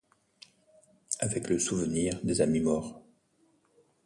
Avec le souvenir des amis morts.